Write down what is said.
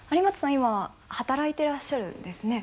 今働いていらっしゃるんですね。